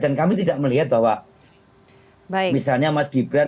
dan kami tidak melihat bahwa misalnya mas gibran